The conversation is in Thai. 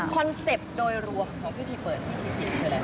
คอนเซ็ปต์โดยรวมของพิธีเปิดพิธีปิดอะไร